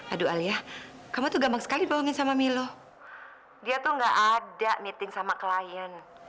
aduh alia kamu tuh gampang sekali bohongin sama milo dia tuh enggak ada meeting sama kliennya